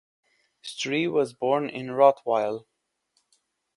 Stryi was born in Rottweil.